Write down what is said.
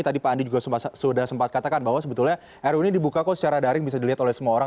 tadi pak andi juga sudah sempat katakan bahwa sebetulnya ru ini dibuka kok secara daring bisa dilihat oleh semua orang